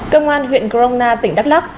công an huyện corona tỉnh đắk lắk